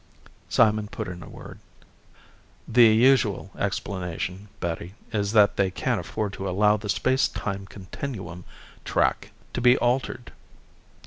Simon put in a word. "The usual explanation, Betty, is that they can't afford to allow the space time continuum track to be altered.